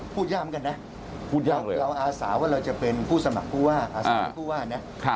พูดยากเหมือนกันนะเราอาสาว่าเราจะเป็นผู้สมัครผู้ว่าอาสาวผู้ว่านะ